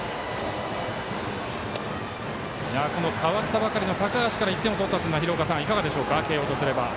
代わったばかりの高橋から１点を取ったというのは廣岡さん、いかがでしょうか慶応とすれば。